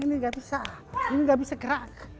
ini tidak bisa gerak